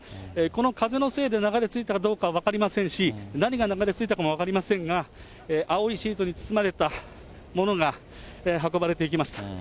この風のせいで流れ着いたかどうかは分かりませんし、何が流れ着いたかも分かりませんが、青いシートに包まれたものが、運ばれていきました。